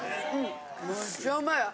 むっちゃうまいわ。